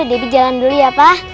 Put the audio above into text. debit jalan dulu ya pak